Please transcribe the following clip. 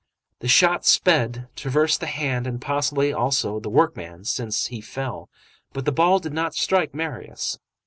The shot sped, traversed the hand and possibly, also, the workman, since he fell, but the ball did not strike Marius.